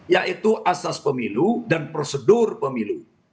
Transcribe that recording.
yaitu asas pemilu dan prosedur pemilu